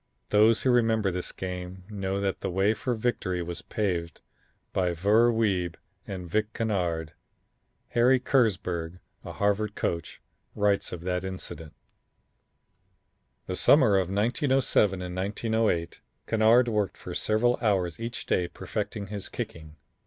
Those who remember this game know that the way for victory was paved by Ver Wiebe and Vic Kennard. Harry Kersburg, a Harvard coach, writes of that incident: "The summer of 1907 and 1908, Kennard worked for several hours each day perfecting his kicking.